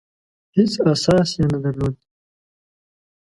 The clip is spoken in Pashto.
هېڅ اساس یې نه درلود.